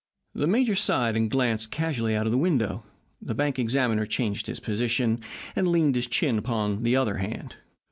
The major sighed and glanced casually out of the window. The bank examiner changed his position, and leaned his chin upon his other hand.